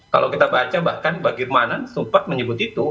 kalau kita baca bahkan bagirmanan sempat menyebut itu